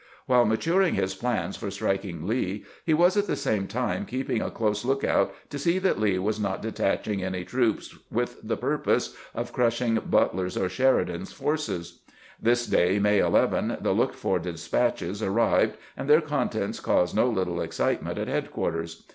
While maturing his plans for striking Lee, he was at the same time keeping a close lookout to see that Lee was not detaching any troops with the purpose of crushing Butler's or Sheri dan's forces. This day, May 11, the looked for de spatches arrived, and their contents caused no little excitement at headquarters.